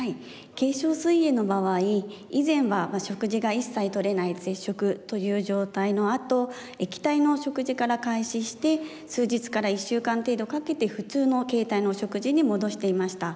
軽症すい炎の場合以前は食事が一切とれない絶食という状態のあと液体の食事から開始して数日から１週間程度かけて普通の形態の食事に戻していました。